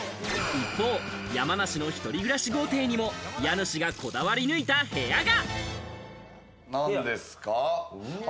一方、山梨の一人暮らし豪邸にも家主がこだわり抜いた部屋が。